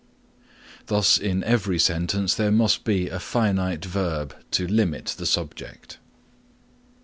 Thus in every sentence there must be a finite verb to limit the subject.